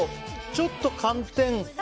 ちょっと寒天。